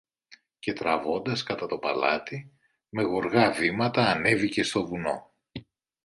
και τραβώντας κατά το παλάτι, με γοργά βήματα ανέβηκε στο βουνό